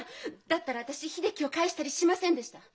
だったら私秀樹を返したりしませんでした。